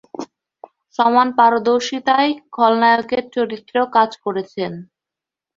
সমান পারদর্শীতায় খলনায়কের চরিত্রেও কাজ করেছেন।